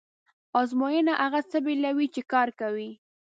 ازموینه هغه څه بېلوي چې کار کوي.